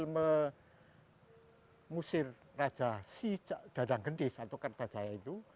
musir raja dadang gendis atau kerta jaya itu